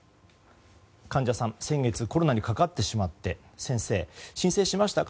患者さんが先月コロナにかかってしまって先生、申請しましたか？